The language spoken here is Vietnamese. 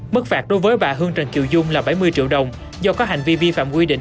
mức phạt đối với bà hương trần kiều dung là bảy mươi triệu đồng do có hành vi vi phạm quy định